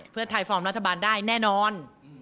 เพื่อไทยฟอร์มรัฐบาลได้แน่นอน